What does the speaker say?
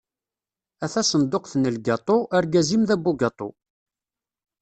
A tasenduqt n lgaṭu, argaz-im d abugaṭu.